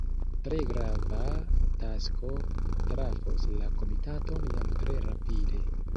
Tre grava tasko trafos la komitaton jam tre rapide.